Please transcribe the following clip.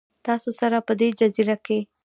تا سره، په دې جزیره کې